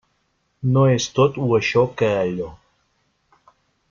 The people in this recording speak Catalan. No és tot u això que allò.